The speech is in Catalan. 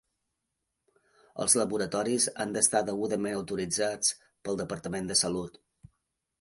Els laboratoris han d'estar degudament autoritzats pel Departament de Salut.